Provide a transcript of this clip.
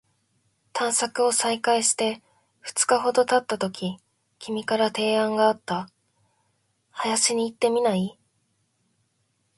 探索を再開して二日ほど経ったとき、君から提案があった。「林に行ってみない？」